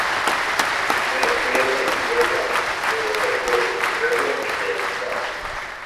Primero estuvieron en Villalba de los Alcores y luego en Villalpando.